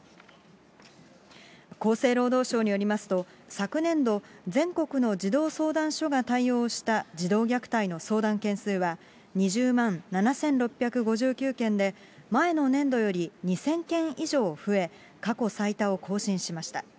厚生労働省によりますと、昨年度、全国の児童相談所が対応した児童虐待の相談件数は、２０万７６５９件で、前の年度より２０００件以上増え、過去最多を更新しました。